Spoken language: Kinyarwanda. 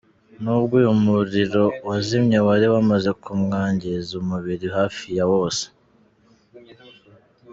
Nubwo uyu muriro wazimye wari wamaze kumwangiza umubiri hafi ya wose.